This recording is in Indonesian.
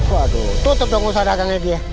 waduh tutup dong usaha dagangnya dia